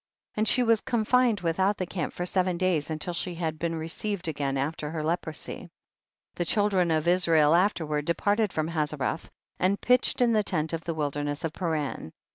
32. And she was confined without the camp for seven days, until she had been received again after her leprosy. 33. The children of Israel after ward departed from Hazeroth, and pitched in the end of the wilderness of Paran.